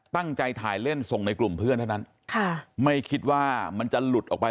ตั้งใจถ่ายเล่นส่งในกลุ่มเพื่อนเท่านั้นค่ะไม่คิดว่ามันจะหลุดออกไป